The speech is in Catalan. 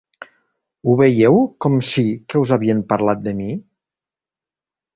Ho veieu com sí que us havien parlat de mi?